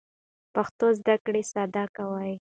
پښتو زده کړه ساده کوي.